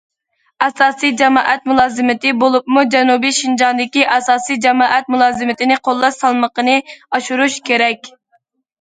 ئاساسىي جامائەت مۇلازىمىتى بولۇپمۇ جەنۇبىي شىنجاڭدىكى ئاساسىي جامائەت مۇلازىمىتىنى قوللاش سالمىقىنى ئاشۇرۇش كېرەك.